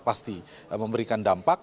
pasti memberikan dampak